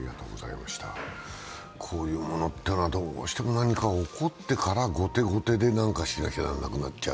こういうものってのは、どうしても何か起こってから後手後手で何かしなくちゃならない。